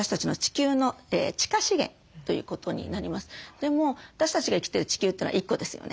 でも私たちが生きている地球というのは１個ですよね。